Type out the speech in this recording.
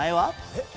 えっ？